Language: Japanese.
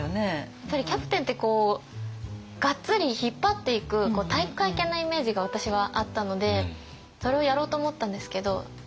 やっぱりキャプテンってがっつり引っ張っていく体育会系なイメージが私はあったのでそれをやろうと思ったんですけどちょっと向いてなくて。